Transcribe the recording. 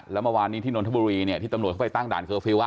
แล้วเมื่อวานนี้ที่นนทบุรีเนี่ยที่ตำรวจเข้าไปตั้งด่านเคอร์ฟิลล์